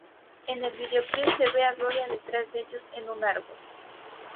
En el videoclip se ve a Gloria detrás de ellos en un árbol.